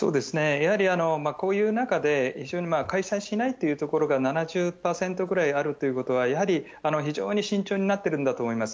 やはりこういう中で、非常に開催しないというところが７０％ぐらいあるということは、やはり、非常に慎重になってるんだと思います。